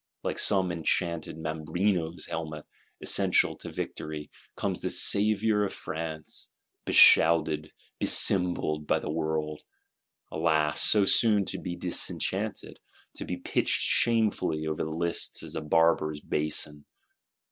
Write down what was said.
Like some enchanted Mambrino's Helmet, essential to victory, comes this "Saviour of France;" beshouted, becymballed by the world:—alas, so soon, to be _dis_enchanted, to be pitched shamefully over the lists as a Barber's Bason!